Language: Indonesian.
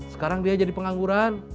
sekarang dia jadi pengangguran